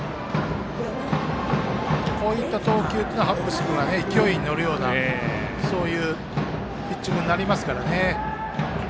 こういった投球はハッブス君は勢いに乗るようなピッチングになりますからね。